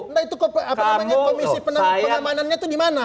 nah itu apa namanya komisi pengamanannya itu di mana